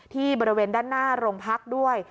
ที่บริเวณด้านหน้าโรงพักด้วย